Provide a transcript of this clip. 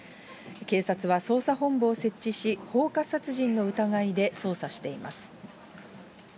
警察は捜査本部を設置し、放火殺人の疑いで捜査しています。